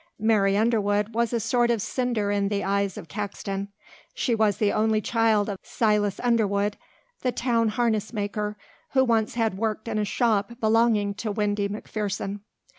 Mary Underwood was a sort of cinder in the eyes of Caxton. She was the only child of Silas Underwood, the town harness maker, who once had worked in a shop belonging to Windy McPherson.